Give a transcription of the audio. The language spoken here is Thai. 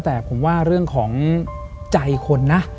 แต่ผมว่าเรื่องของใจคนนะ